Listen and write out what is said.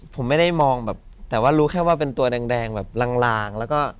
ผมไม่ได้มองแบบแต่ว่ารู้แค่ว่าเป็นตัวแดงแบบลางแล้วก็